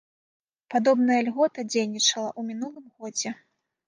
Падобная льгота дзейнічала ў мінулым годзе.